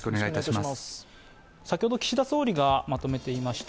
先ほど岸田総理がまとめていました